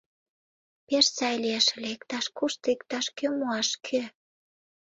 Пеш сай лиеш ыле, иктаж-кушто иктаж-кӧм муаш, кӧ...